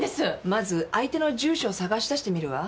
まず相手の住所を捜し出してみるわ。